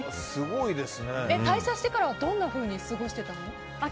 退社してからはどんなふうに過ごしてたの？